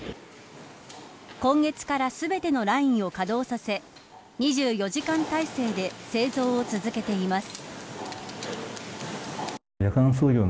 今月から全てのラインを稼働させ２４時間態勢で製造を続けています。